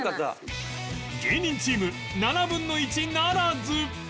芸人チーム７分の１ならず！